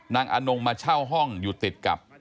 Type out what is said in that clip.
อนงมาเช่าห้องอยู่ติดกับ